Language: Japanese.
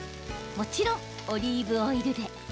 もちろんオリーブオイルで。